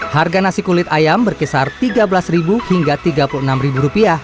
harga nasi kulit ayam berkisar rp tiga belas hingga rp tiga puluh enam